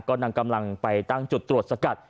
ก็นำกำลังไปตั้งจุดตรวจสกัด